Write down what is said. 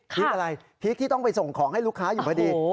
พริกอะไรพริกที่ต้องไปส่งของให้ลูกค้าอยู่พอดี